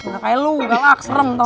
gak kayak lu gak lak serem toh